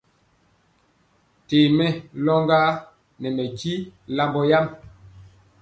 Ntee mɛ loŋga nɛ mɛ jin lambɔ yam.